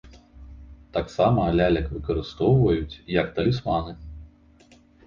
Таксама лялек выкарыстоўваюць як талісманы.